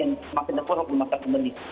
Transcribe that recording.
yang semakin dekat dengan pemasaran pendidik